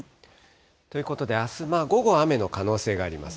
ということで、あす午後、雨の可能性があります。